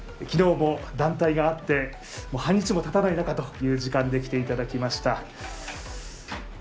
昨日も団体があって半日もたたない中という時間で来ていただきました。